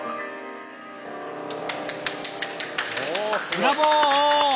ブラボー！